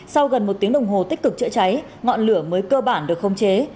sau gần một tiếng đồng hồ tích cực chữa cháy ngọn lửa mới cơ bản được không chế